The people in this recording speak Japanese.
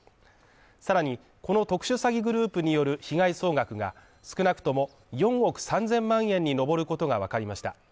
さらに、この特殊詐欺グループによる被害総額が少なくとも４億３０００万円にのぼることがわかりました。